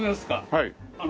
はい。